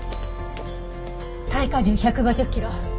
耐荷重１５０キロ。